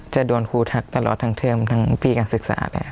จะโดนครูทักตลอดทั้งเทิมทั้งพี่การศึกษาแล้ว